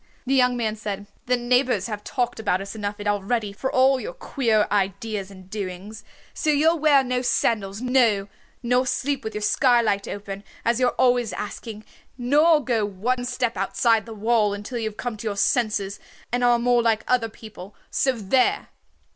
The young man said, "The neighbors have talked about us enough already for all your queer ideas and doings. So you'll wear no sandals, no, nor sleep with your skylight open, as you're always asking, nor go one step outside the wall until you have come to your senses and are more like other people. So there!"